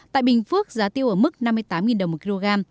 tại bình phước giá tiêu ở mức năm mươi tám đồng một kg